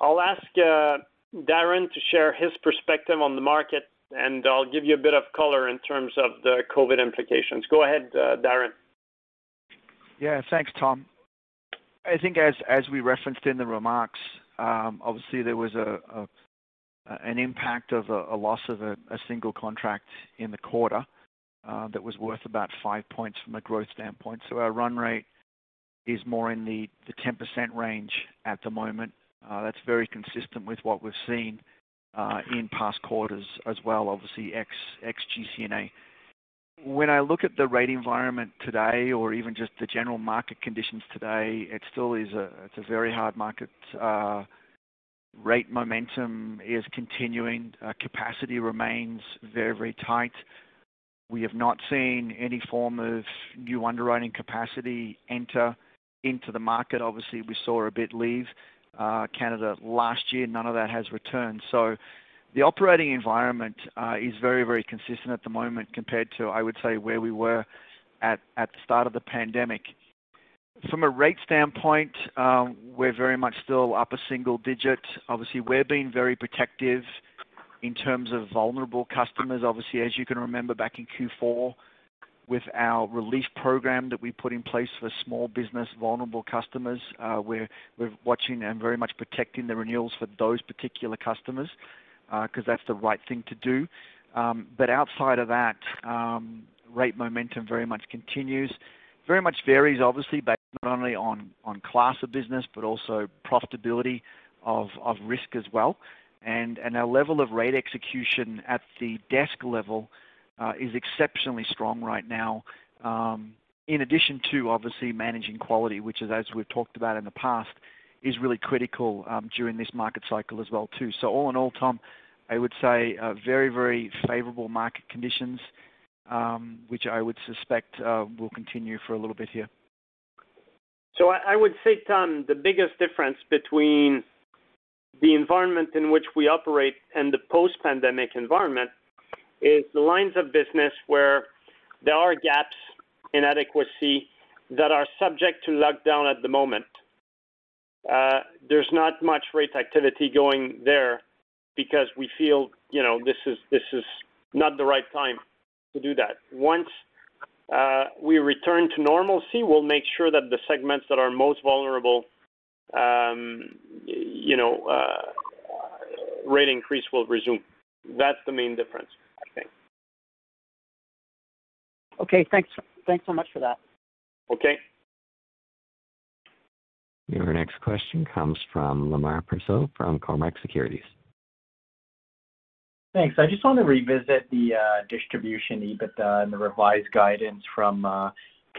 I'll ask Darren to share his perspective on the market, and I'll give you a bit of color in terms of the COVID implications. Go ahead, Darren. Thanks, Tom. I think as we referenced in the remarks, obviously there was an impact of a loss of a single contract in the quarter that was worth about five points from a growth standpoint. Our run rate is more in the 10% range at the moment. That's very consistent with what we've seen in past quarters as well, obviously ex GCNA. When I look at the rate environment today or even just the general market conditions today, it still is a very hard market. Rate momentum is continuing. Capacity remains very tight. We have not seen any form of new underwriting capacity enter into the market. Obviously, we saw a bit leave Canada last year. None of that has returned. The operating environment is very consistent at the moment compared to, I would say, where we were at the start of the pandemic. From a rate standpoint, we're very much still up a single digit. Obviously, we're being very protective in terms of vulnerable customers, obviously, as you can remember back in Q4 with our relief program that we put in place for small business vulnerable customers, we're watching and very much protecting the renewals for those particular customers because that's the right thing to do. Outside of that, rate momentum very much continues. Very much varies, obviously, based not only on class of business, but also profitability of risk as well. Our level of rate execution at the desk level is exceptionally strong right now. In addition to obviously managing quality, which is, as we've talked about in the past, is really critical during this market cycle as well too. All in all, Tom, I would say very favorable market conditions, which I would suspect will continue for a little bit here. I would say, Tom, the biggest difference between the environment in which we operate and the post-pandemic environment is the lines of business where there are gaps in adequacy that are subject to lockdown at the moment. There is not much rate activity going there because we feel this is not the right time to do that. Once we return to normalcy, we will make sure that the segments that are most vulnerable rate increase will resume. That is the main difference, I think. Okay. Thanks so much for that. Okay. Your next question comes from Lemar Persaud from Cormark Securities. Thanks. I just want to revisit the distribution EBITDA and the revised guidance from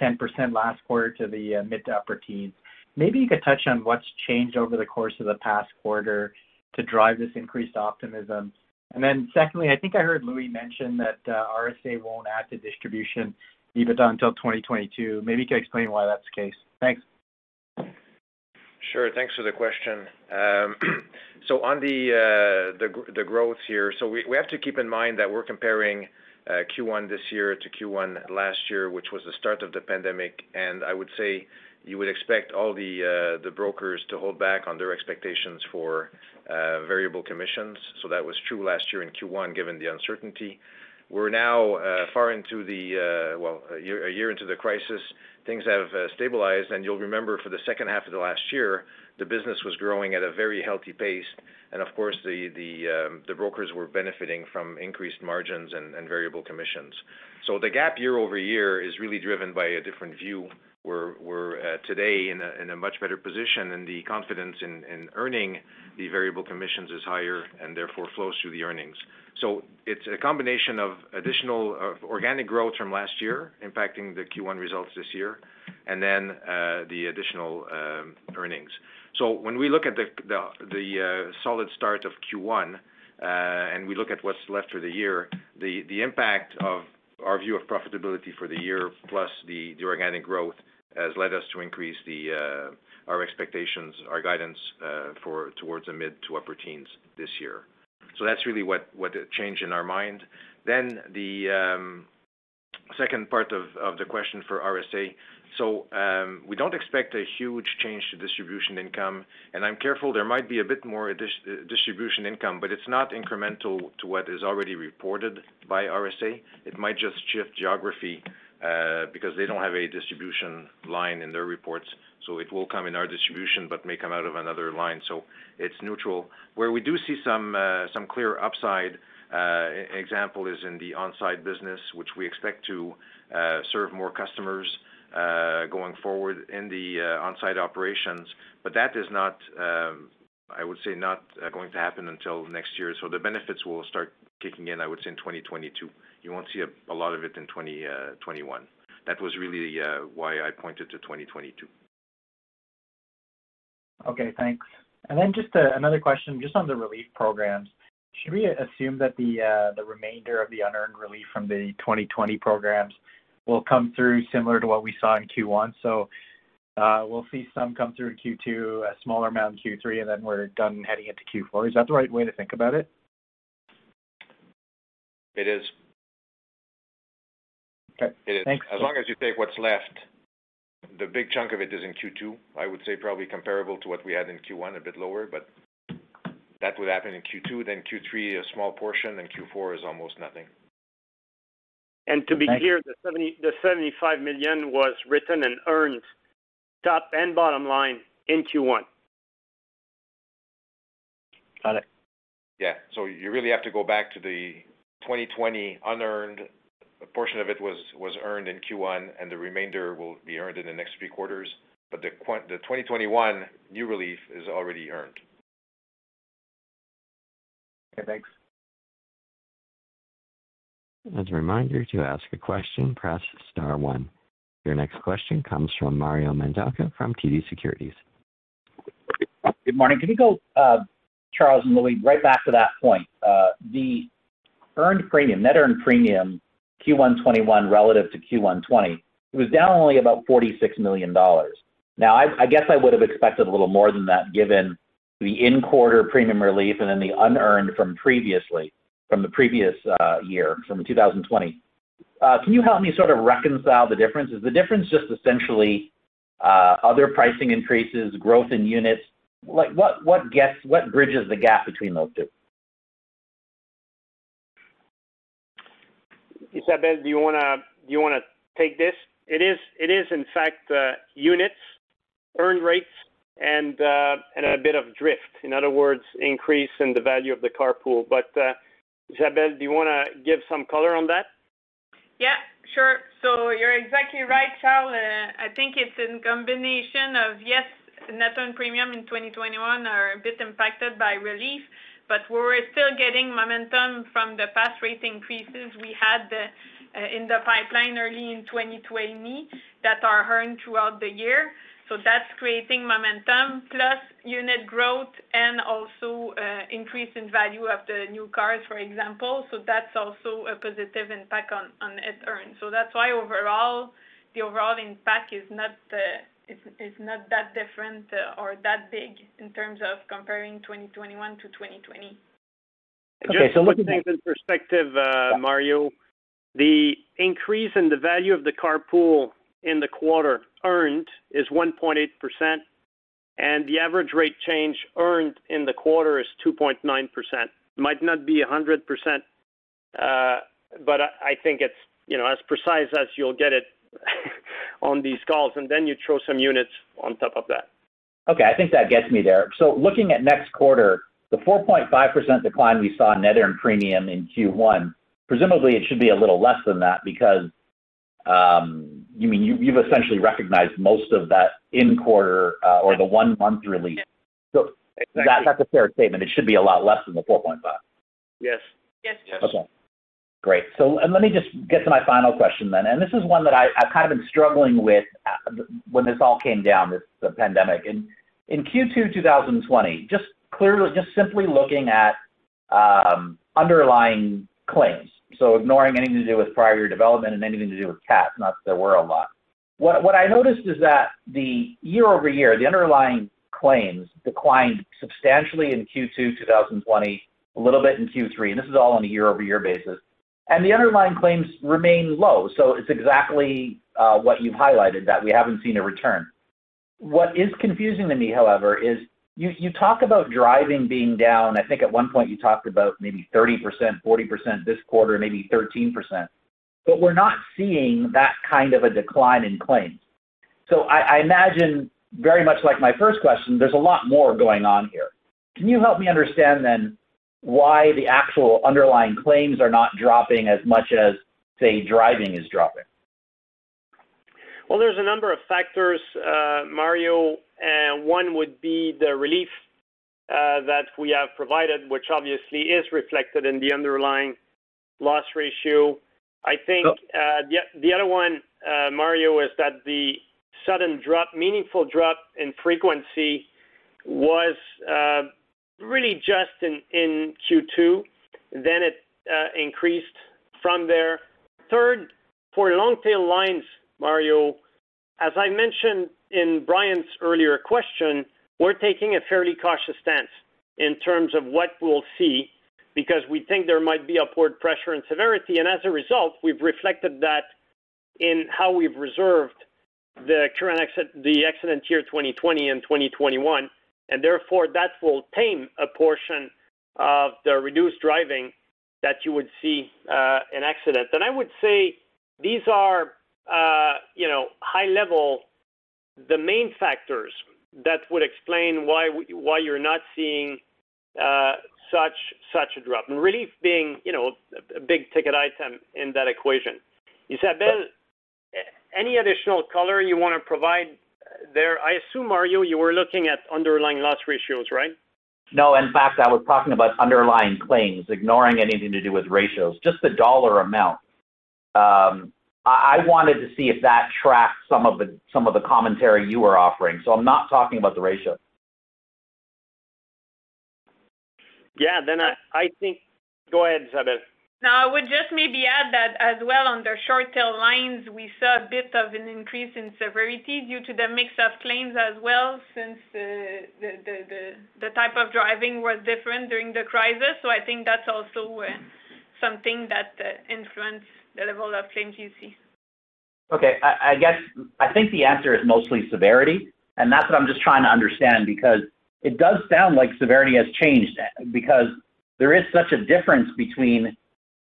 10% last quarter to the mid to upper teens. Maybe you could touch on what's changed over the course of the past quarter to drive this increased optimism. Secondly, I think I heard Louis mention that RSA won't add to distribution EBITDA until 2022. Maybe you could explain why that's the case. Thanks. Sure. Thanks for the question. On the growth here, we have to keep in mind that we're comparing Q1 this year to Q1 last year, which was the start of the pandemic, and I would say you would expect all the brokers to hold back on their expectations for variable commissions. That was true last year in Q1, given the uncertainty. We're now far, well, a year into the crisis. Things have stabilized, and you'll remember for the second half of last year, the business was growing at a very healthy pace, and of course, the brokers were benefiting from increased margins and variable commissions. The gap year-over-year is really driven by a different view. We're today in a much better position, and the confidence in earning the variable commissions is higher and therefore flows through the earnings. It's a combination of additional organic growth from last year impacting the Q1 results this year, and then the additional earnings. When we look at the solid start of Q1, and we look at what's left for the year, the impact of our view of profitability for the year plus the organic growth has led us to increase our expectations, our guidance towards the mid to upper teens this year. That's really what changed in our mind. The second part of the question for RSA. We don't expect a huge change to distribution income, and I'm careful there might be a bit more distribution income, but it's not incremental to what is already reported by RSA. It might just shift geography because they don't have a distribution line in their reports, so it will come in our distribution but may come out of another line. It's neutral. Where we do see some clear upside example is in the On Side business, which we expect to serve more customers going forward in the On Side operations. That is I would say, not going to happen until next year. The benefits will start kicking in, I would say, in 2022. You won't see a lot of it in 2021. That was really why I pointed to 2022. Okay, thanks. Just another question just on the relief programs. Should we assume that the remainder of the unearned relief from the 2020 programs will come through similar to what we saw in Q1? We'll see some come through in Q2, a smaller amount in Q3, and then we're done heading into Q4. Is that the right way to think about it? It is. Okay. Thanks. It is. As long as you take what's left, the big chunk of it is in Q2. I would say probably comparable to what we had in Q1, a bit lower, but that would happen in Q2, then Q3, a small portion, then Q4 is almost nothing. To be clear, the 75 million was written and earned top and bottom line in Q1. Got it. Yeah. You really have to go back to the 2020 unearned. A portion of it was earned in Q1, and the remainder will be earned in the next three quarters. The 2021 new relief is already earned. Okay, thanks. Your next question comes from Mario Mendonca from TD Securities. Good morning. Can we go, Charles and Louis, right back to that point? The earned premium, net earned premium Q1 2021 relative to Q1 2020, it was down only about 46 million dollars. Now, I guess I would have expected a little more than that given the in-quarter premium relief and then the unearned from the previous year, from 2020. Can you help me reconcile the differences? Is the difference just essentially other pricing increases, growth in units? What bridges the gap between those two? Isabelle, do you want to take this? It is, in fact, units, earn rates, and a bit of drift. In other words, increase in the value of the car pool. Isabelle, do you want to give some color on that? Yeah, sure. You're exactly right, Charles. I think it's a combination of, yes, net earned premium in 2021 are a bit impacted by relief, but we're still getting momentum from the past rate increases we had in the pipeline early in 2020 that are earned throughout the year. That's creating momentum plus unit growth and also increase in value of the new cars, for example. That's why overall, the overall impact is not that different or that big in terms of comparing 2021 to 2020. Okay. Just to put things in perspective, Mario Mendonca, the increase in the value of the car pool in the quarter earned is 1.8%, and the average rate change earned in the quarter is 2.9%. Might not be 100%, but I think it's as precise as you'll get it on these calls, and then you throw some units on top of that. Okay, I think that gets me there. Looking at next quarter, the 4.5% decline we saw in net earned premium in Q1, presumably it should be a little less than that because you've essentially recognized most of that in quarter or the one-month relief. Exactly. That's a fair statement. It should be a lot less than the 4.5%. Yes. Yes. Okay, great. Let me just get to my final question. This is one that I've been struggling with when this all came down, the pandemic. In Q2 2020, just simply looking at underlying claims, ignoring anything to do with prior year development and anything to do with CAT, not that there were a lot. What I noticed is that the year-over-year, the underlying claims declined substantially in Q2 2020, a little bit in Q3, this is all on a year-over-year basis. The underlying claims remain low. It's exactly what you've highlighted, that we haven't seen a return. What is confusing to me, however, is you talk about driving being down. I think at one point you talked about maybe 30%, 40% this quarter, maybe 13%, we're not seeing that kind of a decline in claims. I imagine very much like my first question, there's a lot more going on here. Can you help me understand then why the actual underlying claims are not dropping as much as, say, driving is dropping? Well, there's a number of factors, Mario. One would be the relief that we have provided, which obviously is reflected in the underlying loss ratio. I think the other one, Mario, is that the sudden drop, meaningful drop in frequency was really just in Q2, then it increased from there. Third, for long-tail lines, Mario, as I mentioned in Brian's earlier question, we're taking a fairly cautious stance in terms of what we'll see because we think there might be upward pressure and severity, and as a result, we've reflected that in how we've reserved the accident year 2020 and 2021, and therefore, that will tame a portion of the reduced driving that you would see in accidents. I would say these are high level, the main factors that would explain why you're not seeing such a drop, and really being a big-ticket item in that equation. Isabelle, any additional color you want to provide there? I assume, Mario, you were looking at underlying loss ratios, right? No, in fact, I was talking about underlying claims, ignoring anything to do with ratios, just the dollar amount. I wanted to see if that tracks some of the commentary you are offering. I'm not talking about the ratios. Yeah. I think Go ahead, Isabelle. No, I would just maybe add that as well on the short tail lines, we saw a bit of an increase in severity due to the mix of claims as well since the type of driving was different during the crisis. I think that's also something that influenced the level of claims you see. Okay. I think the answer is mostly severity, and that's what I'm just trying to understand because it does sound like severity has changed because there is such a difference between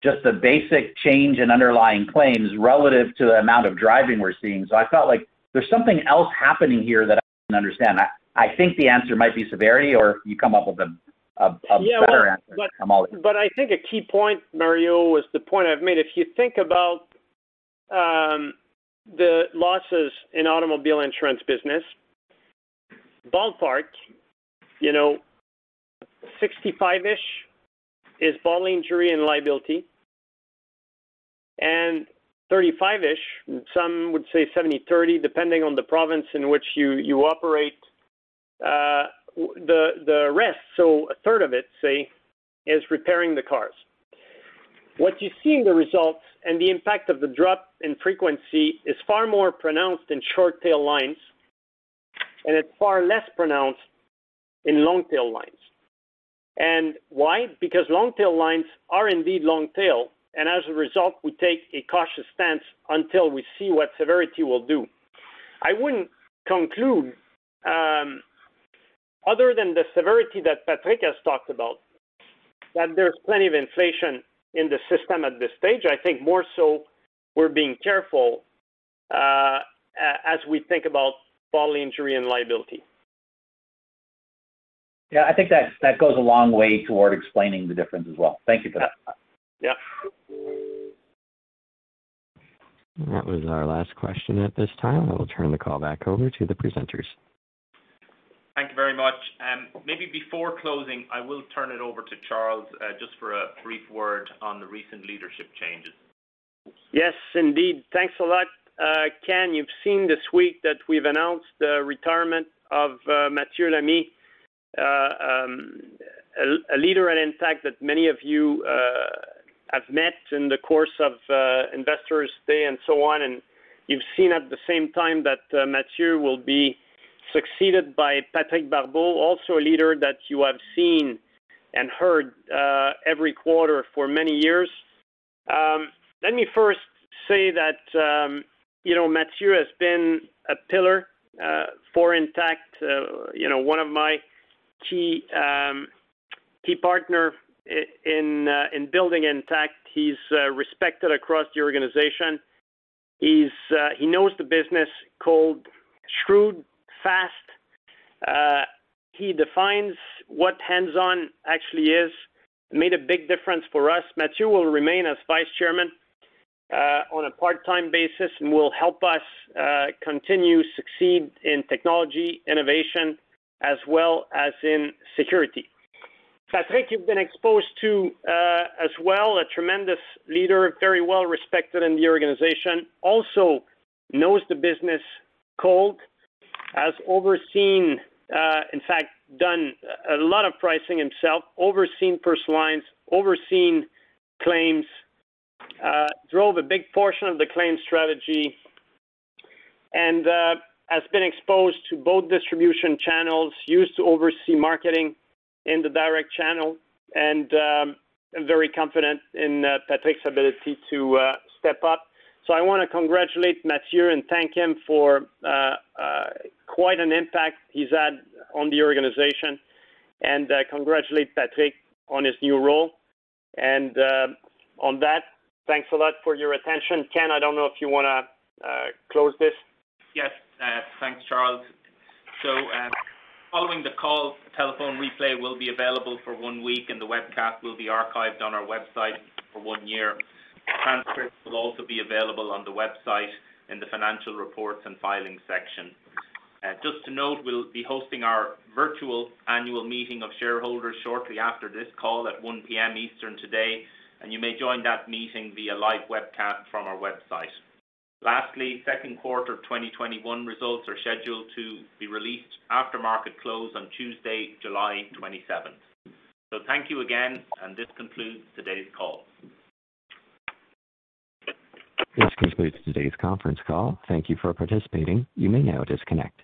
just the basic change in underlying claims relative to the amount of driving we're seeing. I felt like there's something else happening here that I don't understand. I think the answer might be severity, or you come up with a better answer. Yeah. I think a key point, Mario, was the point I've made. If you think about the losses in automobile insurance business, ballpark, 65-ish is bodily injury and liability, and 35-ish, some would say 70/30, depending on the province in which you operate, the rest, so a third of it, say, is repairing the cars. What you see in the results and the impact of the drop in frequency is far more pronounced in short-tail lines. It's far less pronounced in long-tail lines. Why? Because long-tail lines are indeed long-tail, and as a result, we take a cautious stance until we see what severity will do. I wouldn't conclude, other than the severity that Patrick has talked about, that there's plenty of inflation in the system at this stage. I think more so we're being careful as we think about bodily injury and liability. Yeah, I think that goes a long way toward explaining the difference as well. Thank you for that. Yeah. That was our last question at this time. I will turn the call back over to the presenters. Thank you very much. Maybe before closing, I will turn it over to Charles just for a brief word on the recent leadership changes. Yes, indeed. Thanks a lot, Ken. You've seen this week that we've announced the retirement of Mathieu Lamy, a leader at Intact that many of you have met in the course of Investors Day and so on. You've seen at the same time that Mathieu will be succeeded by Patrick Barbeau, also a leader that you have seen and heard every quarter for many years. Let me first say that Mathieu has been a pillar for Intact, one of my key partner in building Intact. He's respected across the organization. He knows the business cold, shrewd, fast. He defines what hands-on actually is. He made a big difference for us. Mathieu will remain as Vice Chairman on a part-time basis and will help us continue to succeed in technology innovation as well as in security. Patrick, you've been exposed to as well, a tremendous leader, very well-respected in the organization. Also knows the business cold. Has, in fact, done a lot of pricing himself, overseen personal lines, overseen claims, drove a big portion of the claims strategy, and has been exposed to both distribution channels, used to oversee marketing in the direct channel, and I'm very confident in Patrick's ability to step up. I want to congratulate Mathieu and thank him for quite an impact he's had on the organization and congratulate Patrick on his new role. On that, thanks a lot for your attention. Ken, I don't know if you want to close this. Yes. Thanks, Charles. Following the call, a telephone replay will be available for one week, and the webcast will be archived on our website for one year. A transcript will also be available on the website in the Financial Reports and Filings section. Just to note, we'll be hosting our virtual annual meeting of shareholders shortly after this call at 1:00 P.M. Eastern today, and you may join that meeting via live webcast from our website. Lastly, second quarter 2021 results are scheduled to be released after market close on Tuesday, July 27th. Thank you again, and this concludes today's call. This concludes today's conference call. Thank you for participating. You may now disconnect.